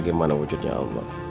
dimana wujudnya allah